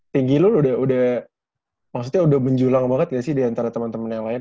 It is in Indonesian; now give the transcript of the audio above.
tinggi lu udah maksudnya udah menjulang banget gak sih diantara teman teman yang lain